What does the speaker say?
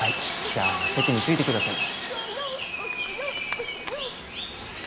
じゃあ席に着いてください。